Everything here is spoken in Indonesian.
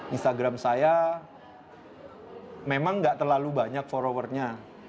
instagram saya memang gak terlalu banyak followernya